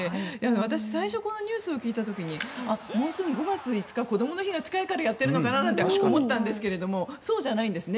私、最初このニュースを聞いた時にもうすぐ５月５日こどもの日が近いからやってるのかなと思ったんですがそうじゃないんですね。